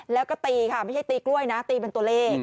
แล้วก็ตีค่ะไม่ใช่ตีกล้วยนะตีเป็นตัวเลข